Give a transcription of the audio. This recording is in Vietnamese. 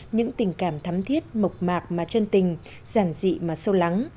những tình cảm thắm thiết mộc mạc mà chân tình giản dị mà sâu lắng